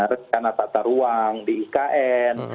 rekan atas ruang di ikn